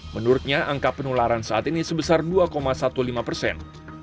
menurutnya angka penularan saat ini sebesar dua lima belas persen